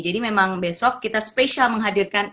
jadi memang besok kita spesial menghadirkan